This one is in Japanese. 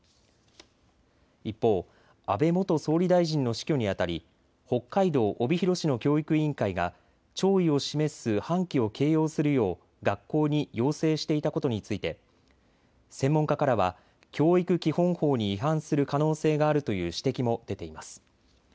一方、安倍元総理大臣の死去にあたり北海道帯広市の教育委員会が弔意を示す半旗を掲揚するよう学校に要請していたことについて専門家からは教育基本法に違反する可能性があるという指摘も出ています。